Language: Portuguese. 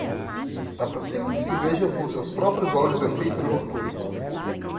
Aproximem-se e vejam com os seus próprios olhos o efeito do meu tônico!